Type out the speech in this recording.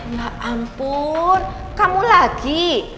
ya ampun kamu lagi